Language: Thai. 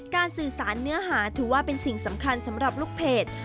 สื่อสารเนื้อหาถือว่าเป็นสิ่งสำคัญสำหรับลูกเพจ